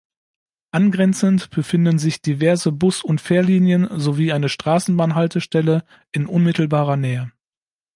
Angrenzend befinden sich diverse Bus- und Fährlinien sowie eine Straßenbahnhaltestelle in unmittelbarer Nähe.